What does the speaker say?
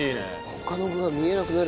他の具が見えなくなるぐらい。